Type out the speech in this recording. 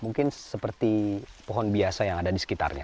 mungkin seperti pohon biasa yang ada di sekitarnya